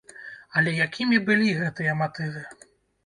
Але якімі былі гэтыя матывы?